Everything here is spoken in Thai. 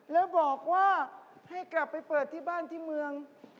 แล้วบอกว่าให้กลับไปเปิดที่บ้านที่เมือง